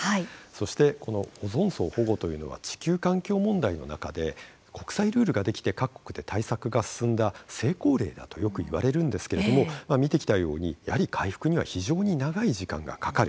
そしてこのオゾン層保護というのは地球環境問題の中で国際ルールが出来て各国で対策が進んだ成功例だとよく言われるんですけれども見てきたようにやはり回復には非常に長い時間がかかる。